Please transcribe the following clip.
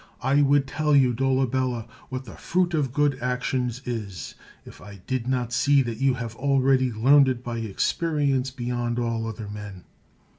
I would tell you, Dolabella, what the fruit of good actions is, if I did not see that you have already learned it by experience beyond all other men.